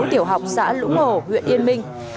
tiểu học xã lũng hồ huyện yên minh